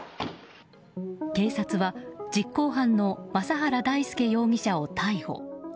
警察は実行犯の昌原大輔容疑者を逮捕。